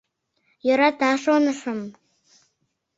Йӧрата, шонышым.